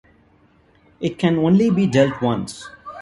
It can only be dealt once.